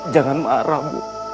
jangan marah bu